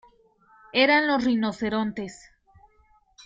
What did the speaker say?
Eran los Rinocerontes.